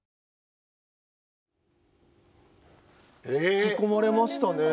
引き込まれましたね。